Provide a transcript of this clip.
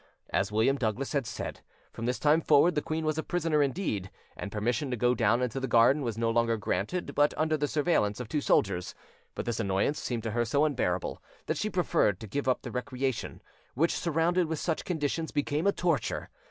As William Douglas had said, from this time forward the queen was a prisoner indeed, and permission to go down into the garden was no longer granted but under the surveillance of two soldiers; but this annoyance seemed to her so unbearable that she preferred to give up the recreation, which, surrounded with such conditions, became a torture.